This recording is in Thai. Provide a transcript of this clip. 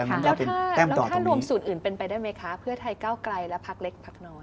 แล้วถ้ารวมสูตรอื่นเป็นไปได้ไหมคะ